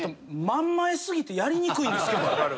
真ん前すぎてやりにくいんですけど。